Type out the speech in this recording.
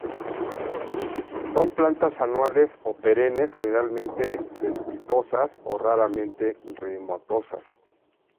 Son plantas anuales o perennes, generalmente cespitosas o raramente rizomatosas.